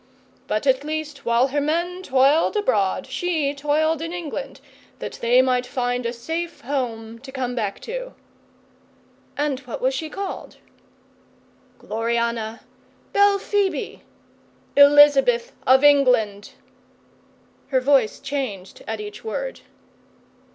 ] But at least, while her men toiled abroad she toiled in England, that they might find a safe home to come back to.' 'And what was she called?' 'Gloriana Belphoebe Elizabeth of England.' Her voice changed at each word.